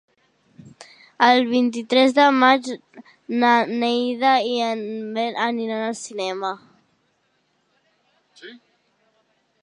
El vint-i-tres de maig na Neida i na Bet aniran al cinema.